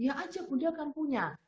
ya aja bunda akan punya